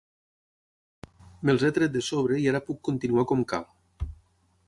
Me'ls he tret de sobre i ara puc continuar com cal.